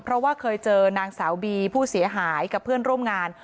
เพราะว่าเคยเจอนางสาวบีผู้เสียหายกับเพื่อนร่วมงาน